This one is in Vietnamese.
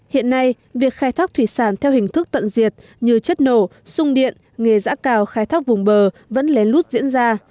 hiện nay việc khai thác thủy sản theo hình thức tận diệt như chất nổ sung điện nghề giã cào khai thác vùng bờ vẫn lén lút diễn ra